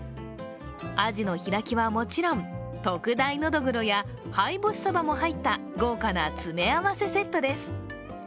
アジの開きはもちろん、特大ノドグロや灰干しサバも入った豪華な詰め合わせセットです。